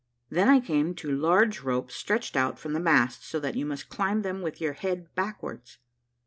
Then I came to large ropes stretched out from the mast so that you must climb them with your head backwards.